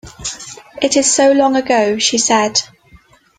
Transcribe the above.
“It is so long ago,” she said.